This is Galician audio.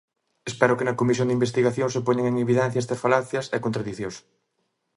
Espero que na comisión de investigación se poñan en evidencia estas falacias e contradicións.